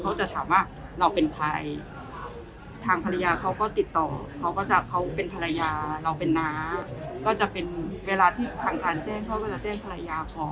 เขาจะถามว่าเราเป็นใครทางภรรยาเขาก็ติดต่อเขาก็จะเขาเป็นภรรยาเราเป็นน้าก็จะเป็นเวลาที่ทางการแจ้งเขาก็จะแจ้งภรรยาพอ